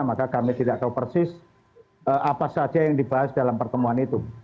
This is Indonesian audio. maka kami tidak tahu persis apa saja yang dibahas dalam pertemuan itu